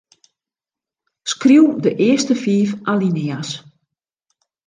Skriuw de earste fiif alinea's.